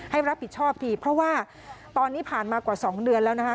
ให้รับผิดชอบทีเพราะว่าตอนนี้ผ่านมากว่า๒เดือนแล้วนะคะ